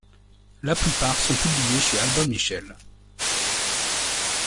La plupart sont publiés chez Albin Michel.